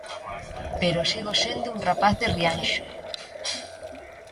Pero sigo sendo un rapaz de Rianxo.